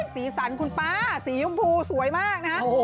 สีสันคุณป๊าสียุ่มพูสวยมากนะ